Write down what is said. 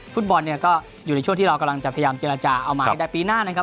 ฟุตบอลเนี่ยก็อยู่ในช่วงที่เรากำลังจะพยายามเจรจาเอามาให้ได้ปีหน้านะครับ